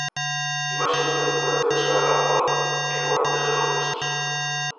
Imaxino que a recuperación será gradual e non antes de dous meses.